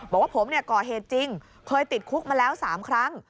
บอกว่าผมก่อเหตุจริงเคยติดคุกมาแล้ว๓ครั้ง